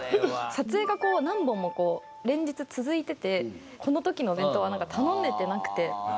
撮影が何本も連日続いててこの時のお弁当はなんか頼めてなくて。